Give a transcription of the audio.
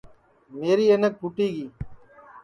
میری اینک پھُوٹی گی